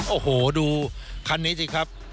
โอ้โหดูคันนี้สิครับ